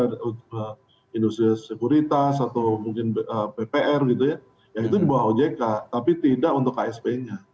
ada industri sekuritas atau mungkin ppr gitu ya itu di bawah ojk tapi tidak untuk ksp nya